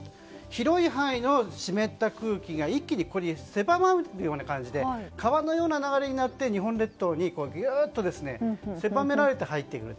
広い範囲の湿った空気が一気にここに狭まるような感じで川のような流れになって日本列島にビューっと狭められて入ってくる。